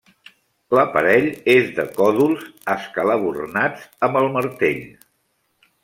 L'aparell és de còdols escalabornats amb el martell.